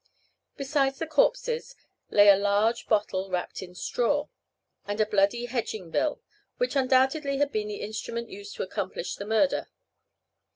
Beside the corpses, lay a large bottle wrapped in straw, and a bloody hedging bill, which undoubtedly had been the instrument used to accomplish the murder.